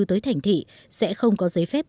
tới thành thị sẽ không có giấy phép